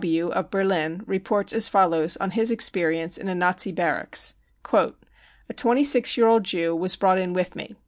K. W., of Berlin, reports as follows on his experience in a Nazi Barracks :" A twenty six year old Jew was brought in with me.